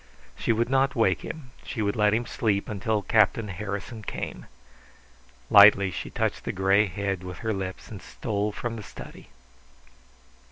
She would not wake him; she would let him sleep until Captain Harrison came. Lightly she touched the gray head with her lips and stole from the study.